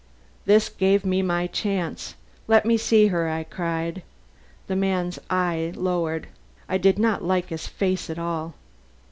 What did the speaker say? "This gave me my chance. 'Let me see her,' I cried. The man's eye lowered. I did not like his face at all.